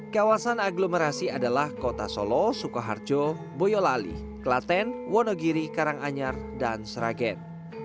kawasan aglomerasi adalah kota solo sukoharjo boyolali klaten wonogiri karanganyar dan sragen